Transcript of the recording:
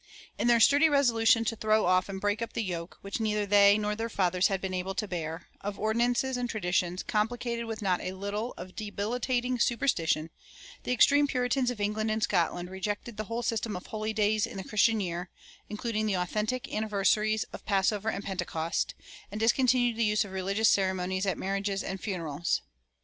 In their sturdy resolution to throw off and break up the yoke, which neither they nor their fathers had been able to bear, of ordinances and traditions complicated with not a little of debilitating superstition, the extreme Puritans of England and Scotland rejected the whole system of holy days in the Christian year, including the authentic anniversaries of Passover and Pentecost, and discontinued the use of religious ceremonies at marriages and funerals.